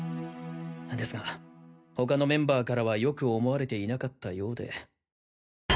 ですが他のメンバーからは良く思われていなかったようで。